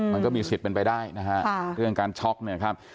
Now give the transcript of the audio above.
มันก็มีสิทธิ์เป็นไปได้นะฮะเรื่องการช็อกเนี่ยครับ